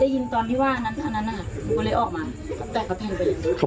ยึงตอนที่ว่าอันนั้นอันนั้นเสร็จเลยออกมา